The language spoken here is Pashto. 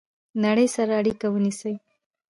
نړۍ سره اړیکه ونیسئ